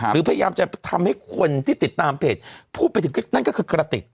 พยายามจะทำให้คนที่ติดตามเพจพูดไปถึงนั่นก็คือกระติก